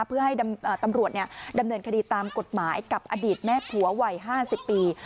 เพื่อให้ตำรวจดำเนินคดีตามกฎหมายกับอดีตแม่ผัววัย๕๐ปี